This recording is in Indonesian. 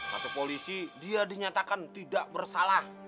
kata polisi dia dinyatakan tidak bersalah